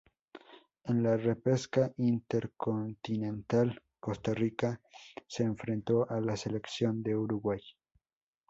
En la repesca intercontinental, Costa Rica se enfrentó a la selección de Uruguay.